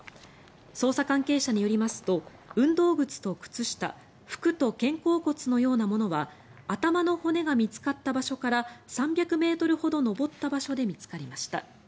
捜査関係者によりますと運動靴と靴下服と肩甲骨のようなものは頭の骨が見つかった場所から３００ｍほど登った場所で見つかりました。